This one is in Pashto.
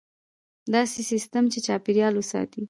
داسې سیستم چې چاپیریال وساتي.